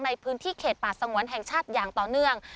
ในพื้นที่เขตป่าสงวนแห่งชาติอย่างต่อเนื่อง